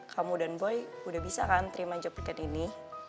kamu dan boy udah bisa kan terima job tiket ini